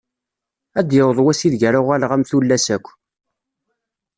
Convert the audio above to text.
Ad d-yaweḍ wass i deg ara uɣaleɣ am tullas akk.